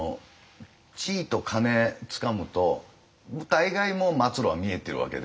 地位と金つかむと大概もう末路は見えてるわけで。